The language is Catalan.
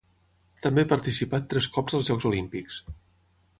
També participat tres cops als Jocs Olímpics.